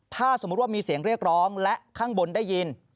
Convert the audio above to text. ถ้าสมมุติว่ามีเสียงเรียกร้องและข้างบนได้ยิน